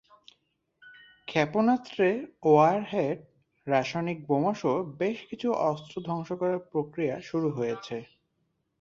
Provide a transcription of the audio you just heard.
ক্ষেপণাস্ত্রের ওয়ারহেড, রাসায়নিক বোমাসহ বেশ কিছু অস্ত্র ধ্বংস করার প্রক্রিয়া শুরু হয়েছে।